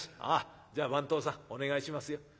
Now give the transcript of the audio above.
「ああじゃあ番頭さんお願いしますよ。